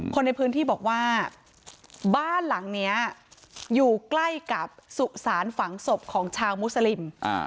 คนในพื้นที่บอกว่าบ้านหลังนี้อยู่ใกล้กับสุสานฝังศพของชาวมุสลิม